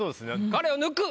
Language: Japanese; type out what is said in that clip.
彼を抜く。